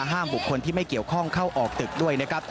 ห้ามบุคคลที่ไม่เกี่ยวข้องเข้าออกตึกด้วยนะครับ